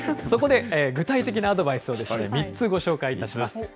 そこで具体的なアドバイスを３つご紹介いたします。